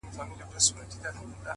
زما په غــېږه كــي نــاســور ويـده دی!!